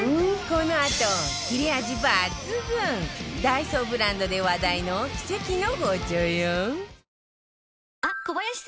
このあと切れ味抜群ダイソーブランドで話題の奇跡の包丁よ